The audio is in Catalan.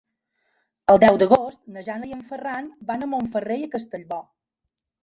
El deu d'agost na Jana i en Ferran van a Montferrer i Castellbò.